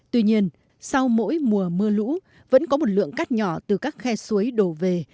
tuy nhiên sau mỗi mùa mưa lũ vẫn có một lượng cát nhỏ từ các khe suối đổ về